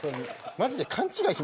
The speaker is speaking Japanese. マジで勘違いしますよ